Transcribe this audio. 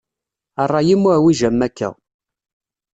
A rray-im uɛwiǧ am akka.